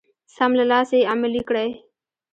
سم له لاسه يې عملي کړئ.